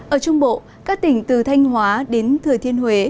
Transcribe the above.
ở trung bộ các tỉnh từ thanh hóa đến thừa thiên huế